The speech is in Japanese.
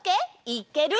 いける？